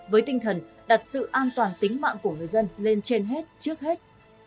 với tinh thần đặt sự an toàn tính mạng của người dân lên trên hết trước hết